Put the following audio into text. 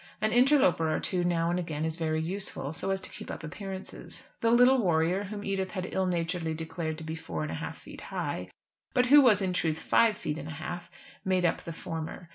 An interloper or two now and again is very useful, so as to keep up appearances. The little warrior whom Edith had ill naturedly declared to be four feet and a half high, but who was in truth five feet and a half, made up the former.